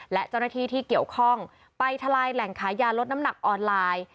และเจ้าหน้าที่ที่เกี่ยวข้องไปทลายแหล่งขายยาลดน้ำหนักออนไลน์